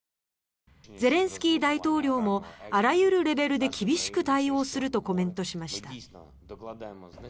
ゼレンスキー大統領もあらゆるレベルで厳しく対応するとコメントしました。